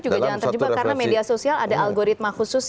karena media sosial ada algoritma khusus